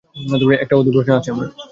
একটা অদ্ভুত প্রশ্ন আছে আমার।